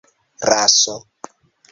raso